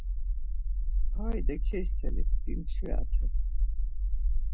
Hayde keiselit, bimçviraten.